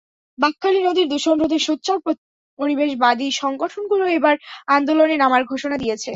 বাঁকখালী নদীর দূষণ রোধে সোচ্চার পরিবেশবাদী সংগঠনগুলো এবার আন্দোলনে নামার ঘোষণা দিয়েছে।